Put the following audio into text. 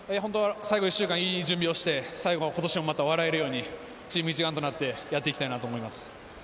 １週間、いい準備をして、最後、今年笑えるようにチーム一丸となってやっていきたいと思います。